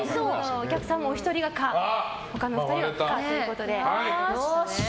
お客さんもお一人が可他の２人は不可ということで。